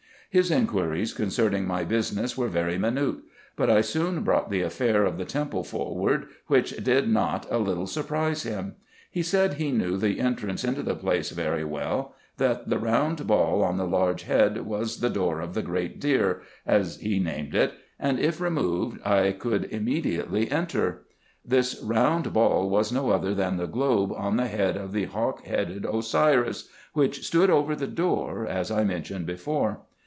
His inquiries concerning my business were very minute ; but I soon brought the affair of the temple forward, which did not a little surprise him. He said he knew the entrance into the place very well ; that the round ball on the large head was the door of the great Here, as he named it, and if re* moved I could immediately enter. This round ball was no other than the globe on the head of the hawk headed Osiris, which stood over the door, as I mentioned before.